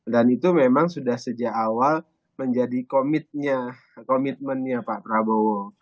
dan itu memang sudah sejak awal menjadi komitmennya pak prabowo